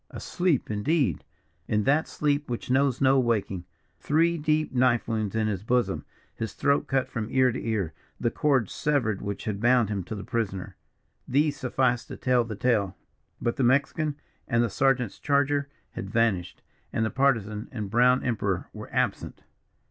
Asleep, indeed! in that sleep which knows no waking. Three deep knife wounds in his bosom, his throat cut from ear to ear, the cords severed which had bound him to the prisoner these sufficed to tell the tale. But the Mexican and the sergeant's charger had vanished, and the Partisan and brown Emperor were absent.